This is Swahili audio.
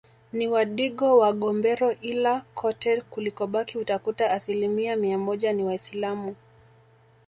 Ni wadigo wa Gombero Ila kote kulikobaki utakuta asilimia mia moja ni waisilamu